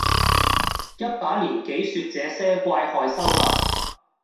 一把年紀說這些怪害羞吧！